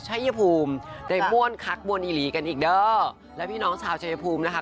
ชัยภูมิในม่วนคักม่วนอิหรี่กันอีกแล้วและพี่น้องชาวชาวเยพูมนะคะ